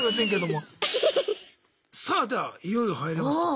さあではいよいよ入れますと。